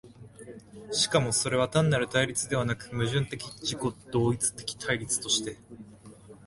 しかもそれは単なる対立ではなく、矛盾的自己同一的対立として、